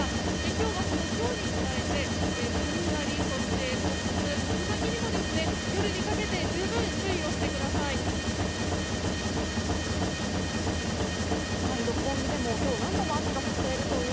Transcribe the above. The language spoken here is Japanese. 今日は、そのひょうに加えて雷、突風、竜巻にも夜にかけて十分、注意をしてください。